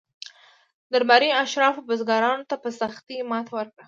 درباري اشرافو بزګرانو ته په سختۍ ماته ورکړه.